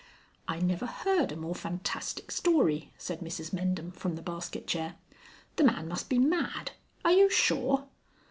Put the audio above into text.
"I never heard a more fantastic story," said Mrs Mendham from the basket chair. "The man must be mad. Are you sure